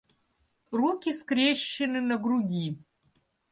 Руки скрещены на груди